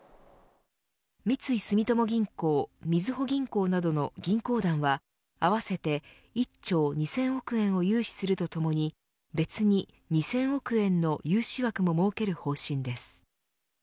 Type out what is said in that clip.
三井住友銀行みずほ銀行などの銀行団は合わせて１兆２０００億円を融資するとともに別に２０００億円の融資枠も設ける方針です。